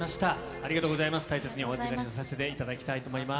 ありがとうございます、大切にお預かりさせていただきたいと思います。